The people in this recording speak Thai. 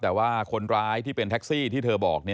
แต่ว่าคนร้ายที่เป็นแท็กซี่ที่เธอบอก